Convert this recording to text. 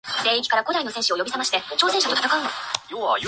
Why, Delilah, I didn’t think anybody could love me.